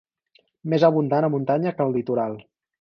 Més abundant a muntanya que al litoral.